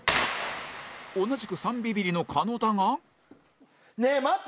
同じく３ビビリの狩野だがねえ待って。